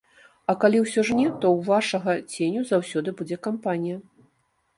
А калі ўсё ж не, то ў вашага ценю заўсёды будзе кампанія.